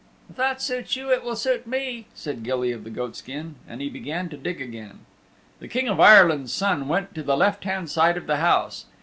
"If that suits you it will suit me," said Gilly of the Goatskin, and he began to dig again. The King of Ireland's Son went to the left hand side of the house.